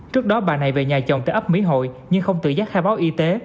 trước đó bà này về nhà chồng tại ấp mỹ hội nhưng không tự giác khai báo y tế